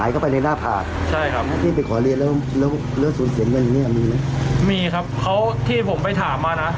หายเข้าไปในหน้าผ่านใช่ครับพี่ไปขอเรียนแล้วแล้วแล้วสูญเสียงกันอย่างเนี้ยมีไหมมีครับเขาที่ผมไปถามมานะ